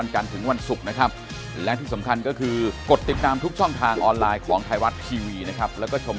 ใช่ครับ